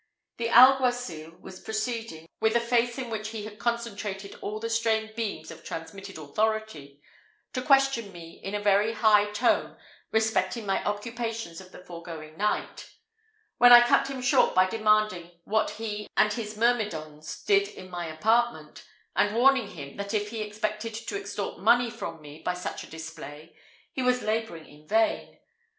The alguacil was proceeding, with a face in which he had concentrated all the stray beams of transmitted authority, to question me in a very high tone respecting my occupations of the foregoing night; when I cut him short by demanding what he and his myrmidons did in my apartment, and warning him, that if he expected to extort money from me by such a display, he was labouring in vain.